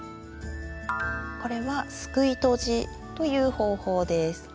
これは「すくいとじ」という方法です。